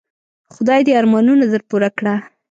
خدای دي ارمانونه در پوره کړه .